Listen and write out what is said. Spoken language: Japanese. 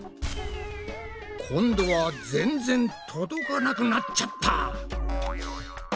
今度は全然届かなくなっちゃった！